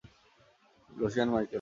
Lucian, Michael.